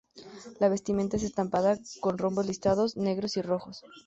La vestimenta es estampada con rombos listados negros y rojos.